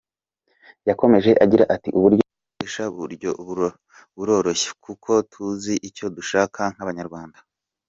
Yakomeje agira ati “Uburyo dukoresha buroroshye kuko tuzi icyo dushaka nk’Abanyarwanda.